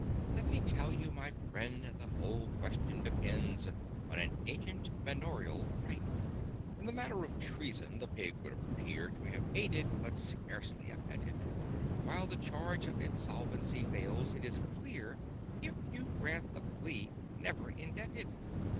Let me tell you, my friends, the whole question depends On an ancient manorial right. "In the matter of Treason the pig would appear To have aided, but scarcely abetted: While the charge of Insolvency fails, it is clear, If you grant the plea 'never indebted.